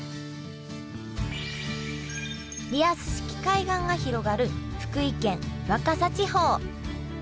リアス式海岸が広がる福井県若狭地方。